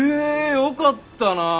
よかったな！